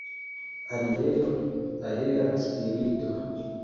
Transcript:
Arielo, aera spirito.